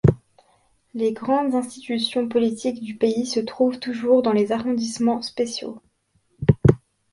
Les grandes institutions politiques du pays se trouvent toujours dans les arrondissements spéciaux.